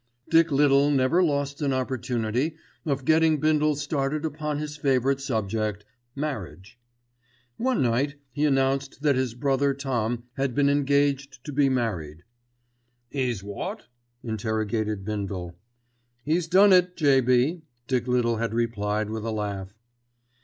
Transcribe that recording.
Dick Little never lost an opportunity of getting Bindle started upon his favourite subject—marriage. One night he announced that his brother Tom had become engaged to be married. "'E's wot?" interrogated Bindle. "He's done it, J.B.," Dick Little had replied with a laugh.